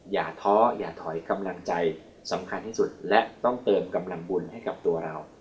อย่าท้ออย่าถอยกำลังใจสำคัญที่สุดและต้องเติมกำลังบุญให้กับตัวเรา